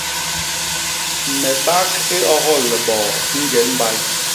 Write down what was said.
Me bak i ogol liboo i njel mbay.